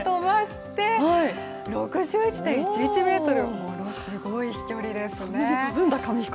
６１．１１ｍほどすごい飛距離です